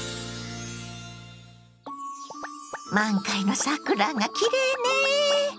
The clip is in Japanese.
満開の桜がきれいね。